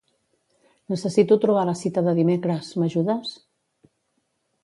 Necessito trobar la cita de dimecres, m'ajudes?